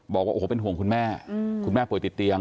บอกว่าโอ้โหเป็นห่วงคุณแม่คุณแม่ป่วยติดเตียง